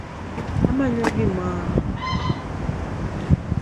Amanyo gimiro